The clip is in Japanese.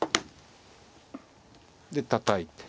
でたたいて。